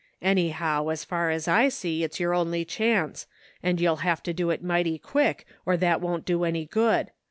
Anyhow, as far as I see, it's your only chance, and you'll have to do it mighty quick or that won't do any good.